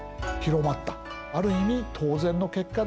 ある意味当然の結果だった。